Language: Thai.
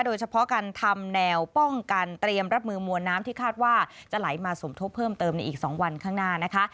โดยเฉพาะการทำแนวป้องกันเตรียมรับมือมวลน้ำที่คาดว่าจะไหลมาสมทบเพิ่มเติมในอีก๒วันข้างหน้านะคะ